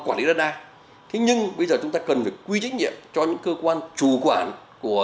quản lý đất đai thế nhưng bây giờ chúng ta cần phải quy trách nhiệm cho những cơ quan chủ quản của